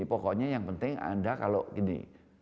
pokoknya yang penting anda kalau gini